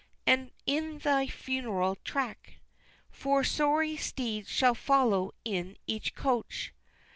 And in thy funeral track Four sorry steeds shall follow in each coach!